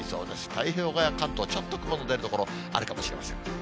太平洋側や関東、ちょっと雲の出る所、あるかもしれません。